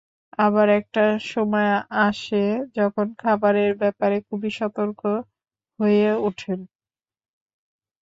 আবার একটা সময় আসে, যখন খাবারের ব্যাপারে খুবই সতর্ক হয়ে ওঠেন।